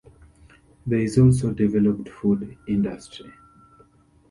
There is also developed food industry.